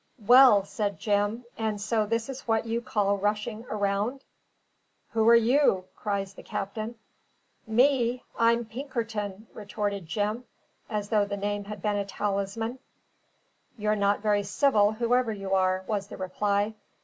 "Well!" said Jim; "and so this is what you call rushing around?" "Who are you?" cries the captain. "Me! I'm Pinkerton!" retorted Jim, as though the name had been a talisman. "You're not very civil, whoever you are," was the reply.